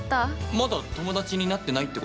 まだ友達になってないってこと？